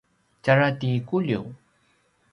tjara ti Kuliu